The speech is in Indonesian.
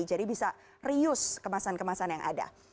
jadi bisa reuse kemasan kemasan yang ada